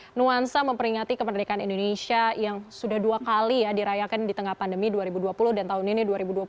ini nuansa memperingati kemerdekaan indonesia yang sudah dua kali ya dirayakan di tengah pandemi dua ribu dua puluh dan tahun ini dua ribu dua puluh satu